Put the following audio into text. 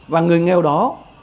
và người nghèo đó